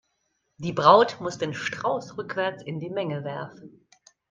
Die Braut muss den Strauß rückwärts in die Menge werfen.